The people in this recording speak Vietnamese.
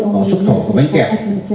có xuất khẩu của bánh kẹo